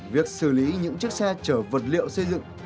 việc xử lý những chiếc xe chở vật liệu xây dựng